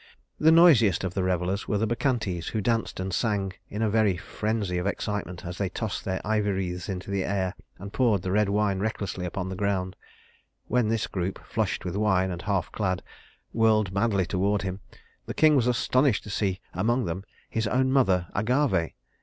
The noisiest of the revelers were the Bacchantes, who danced and sang in a very frenzy of excitement as they tossed their ivy wreaths into the air and poured the red wine recklessly upon the ground. When this group, flushed with wine and half clad, whirled madly toward him, the king was astonished to see among them his own mother Agave.